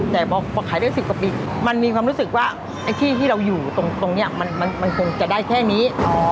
แต่พอขายได้๑๐กว่าปีมันมีความรู้สึกว่าไอ้ที่ที่เราอยู่ตรงนี้มันคงจะได้แค่นี้